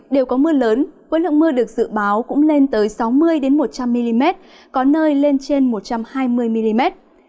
đều có mưa lớn với lượng mưa được dự báo cũng lên tới sáu mươi một trăm linh mm có nơi lên trên một trăm hai mươi mm